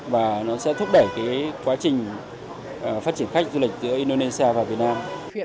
và nó sẽ thúc đẩy quá trình phát triển khách du lịch giữa indonesia và việt nam